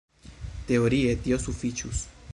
Teorie tio sufiĉus.